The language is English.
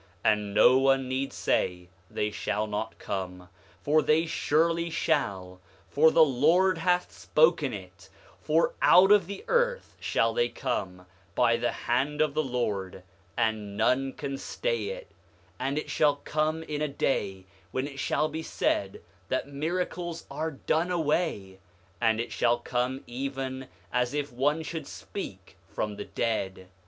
8:26 And no one need say they shall not come, for they surely shall, for the Lord hath spoken it; for out of the earth shall they come, by the hand of the Lord, and none can stay it; and it shall come in a day when it shall be said that miracles are done away; and it shall come even as if one should speak from the dead.